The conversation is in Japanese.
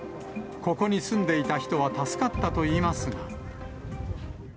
ここに住んでいた人は助かったといいますが。